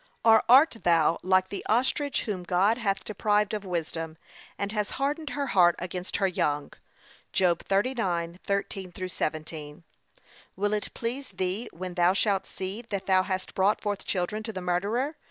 Or art thou like the ostrich whom God hath deprived of wisdom, and has hardened her heart against her young? (Job 39:13 17) Will it please thee when thou shalt see that thou hast brought forth children to the murderer?